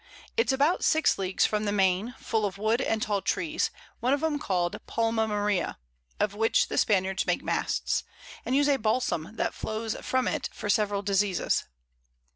It's about 6 Leagues from the Main, full of Wood and tall Trees, one of 'em call'd Palma Maria, of which the Spaniards make Masts, and use a Balsam that flows from it for several Diseases.